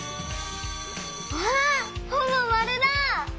わあほぼまるだ！